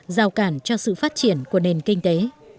rào cản cho sự phát triển của nền kinh tế